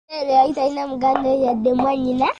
Ttendo yali talina muganda we yadde mwanyina.